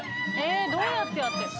どうやってやってんの？